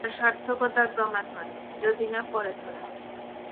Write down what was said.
তার সার্থকতার প্রমাণ হয়, যদি না পড়ে ধরা।